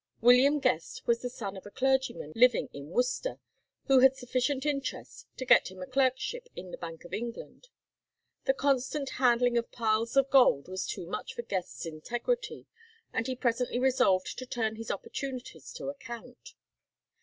William Guest was the son of a clergyman living at Worcester, who had sufficient interest to get him a clerkship in the Bank of England. The constant handling of piles of gold was too much for Guest's integrity, and he presently resolved to turn his opportunities to account.